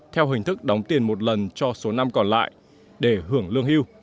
theo hình thức đóng tiền một lần cho số năm còn lại để hưởng lương hưu